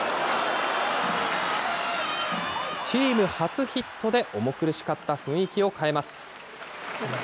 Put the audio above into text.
チーム初ヒットで重苦しかった雰囲気を変えます。